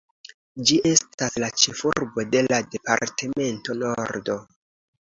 Ĝi estas la ĉefurbo de la Departemento Nordo.